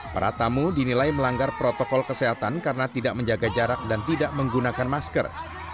para tamu dinilai melanggar protokol kesehatan karena tidak menjaga jarak dan tidak menggunakan masker